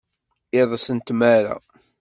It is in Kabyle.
Iḍes n tmara.